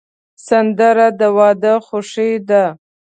سندره د واده خوښي ده